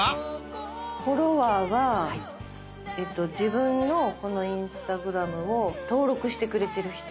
フォロワーは自分のこのインスタグラムを登録してくれてる人。